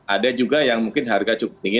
ada juga yang mungkin harga cukup tinggi